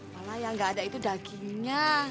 walah yang gak ada itu dagingnya